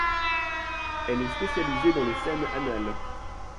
Elle est spécialisée dans les scènes anales.